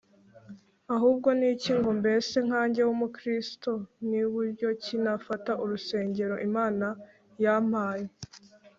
ahubwo ni iki ngo, mbese nkanjye w'umukristo, ni buryo ki nafata urusengero imana yampaye